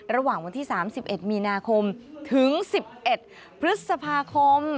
ระหว่างวันที่๓๑มีนาคมถึง๑๑พฤษภาคม